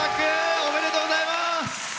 おめでとうございます。